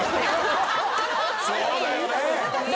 そうだよね。